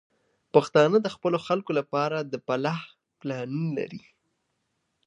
پښتانه د خپلو خلکو لپاره د فلاح پلانونه لري.